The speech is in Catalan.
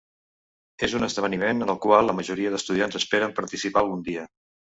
És un esdeveniment en el qual la majoria d'estudiants esperen participar algun dia.